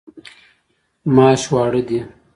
ماش واړه دي.